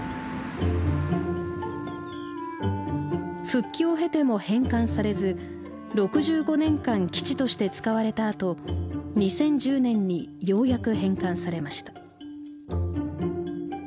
復帰を経ても返還されず６５年間基地として使われたあと２０１０年にようやく返還されました。